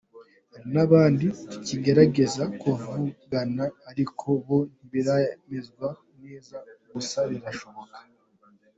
Hari n’abandi tukigerageza kuvugana ariko bo ntibiremezwa neza gusa birashoboka.